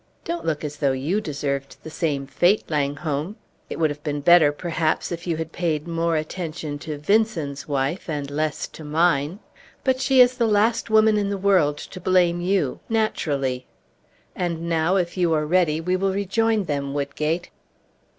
Don't look as though you deserved the same fate, Langholm! It would have been better, perhaps, if you had paid more attention to Vinson's wife and less to mine; but she is the last woman in the world to blame you naturally! And now, if you are ready, we will join them, Woodgate."